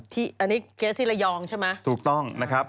เรื่องนี้เกษฎีเลยองอย่างใช่ไหม